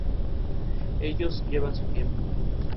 Ellos llevan su tiempo.